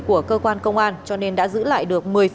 của cơ quan công an cho nên đã giữ lại được